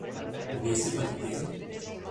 ¿hubiese partido?